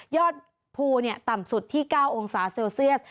อดภูต่ำสุดที่๙องศาเซลเซียส